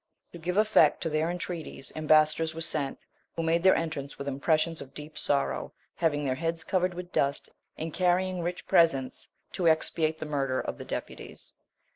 To give effect to their entreaties, ambassadors were sent, who made their entrance with impressions of deep sorrow, having their heads covered with dust, and carrying rich presents, to expiate the murder of the deputies.